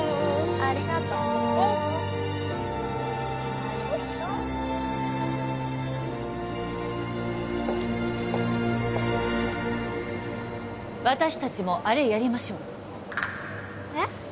ありがとう私達もあれやりましょうえっ？